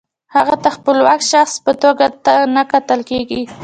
هغې ته د خپلواک شخص په توګه نه کتل کیږي.